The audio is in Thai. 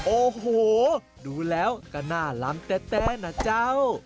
โอ้โหดูแล้วก็หน้าล้ำแต๊ดนะเจ้า